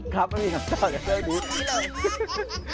ครับไม่มีคำตอบจากเรื่องนี้